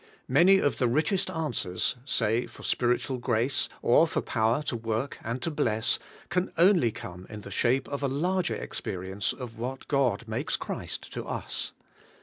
Many of the richest answers — say for spiritual grace, or for power to work and to bless — can only come in the shape of a larger experience of what God makes Christ to us.